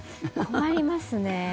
困りますね。